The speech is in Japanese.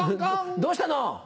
どうしたの？